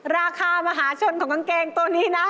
มหาชนของกางเกงตัวนี้นะ